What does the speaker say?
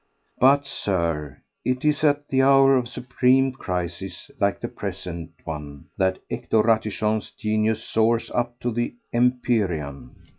But, Sir, it is at the hour of supreme crises like the present one that Hector Ratichon's genius soars up to the empyrean.